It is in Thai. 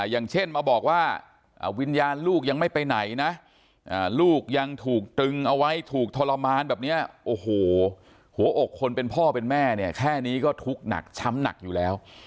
อย่างเช่นมาบอกว่าวิญญาณลูกยังไม่ไปไหนนะลูกยังถูกตรึงเอาไว้ถูกทรมานแบบนี้โอ้โหหัวอกคนเป็นพ่อเป็นแม่เนี่ยแค่นี้ก็ทุกข์หนักช้ำหนักอยู่แล้ว